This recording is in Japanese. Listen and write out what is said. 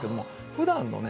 ふだんのね